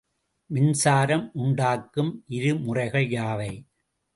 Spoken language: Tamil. மின்சாரம் உண்டாக்கும் இருமுறைகள் யாவை?